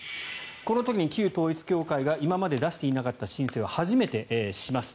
この時に、旧統一教会が今まで出していなかった申請を初めてします。